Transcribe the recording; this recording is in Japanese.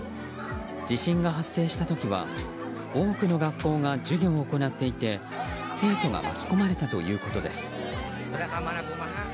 地震が発生した時は多くの学校が授業を行っていて生徒が巻き込まれたということです。